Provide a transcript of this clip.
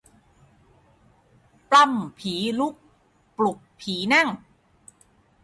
ปล้ำผีลุก ปลุกผีนั่ง